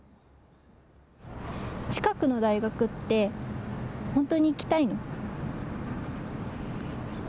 近くの大学って、本当に行きたいの？